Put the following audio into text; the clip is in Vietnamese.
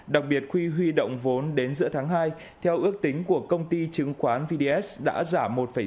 đặc biệt khi huy động vốn đến giữa tháng hai theo ước tính của công ty chứng khoán vds đã giảm một sáu